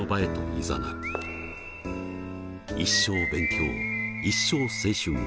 「一生勉強一生青春」。